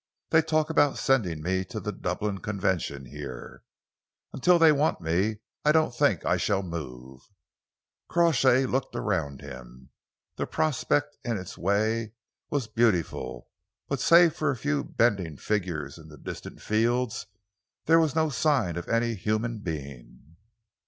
They talk about sending me to the Dublin Convention here. Until they want me, I don't think I shall move." Crawshay looked around him. The prospect in its way was beautiful, but save for a few bending figures in the distant fields, there was no sign of any human being.